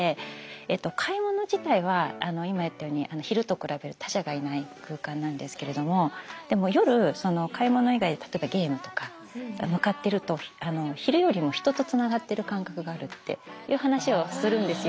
えっと買い物自体は今言ったように昼と比べる他者がいない空間なんですけれどもでも夜買い物以外例えばゲームとか向かってるとっていう話をするんですよ